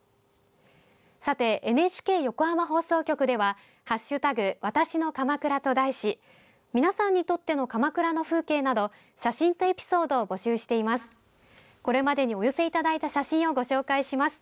さて、ＮＨＫ横浜放送局では「＃わたしの鎌倉」と題し皆さんにとっての鎌倉の風景など写真とエピソードを募集しています。